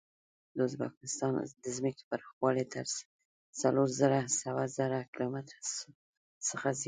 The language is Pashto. د ازبکستان د ځمکې پراخوالی تر څلور سوه زره کیلو متره څخه زیات دی.